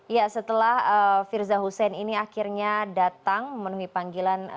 ya setelah firza husein ini akhirnya datang memenuhi panggilan